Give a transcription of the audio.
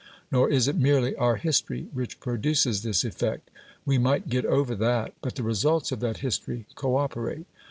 Nor is it merely our history which produces this effect; we might get over that; but the results of that history co operate.